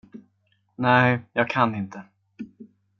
Nej, jag kan inte.